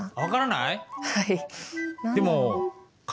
はい。